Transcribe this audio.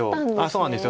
そうなんです